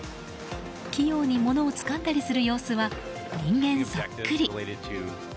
器用に物をつかんだりする様子は人間そっくり。